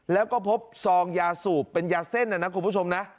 แล้วก็พบซองยาสูบเป็นยาเส้นนะนะคุณผู้ชมนะ